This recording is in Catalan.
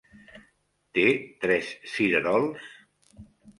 Té tres cirerols?